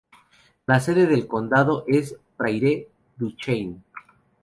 La sede del condado es Prairie du Chien.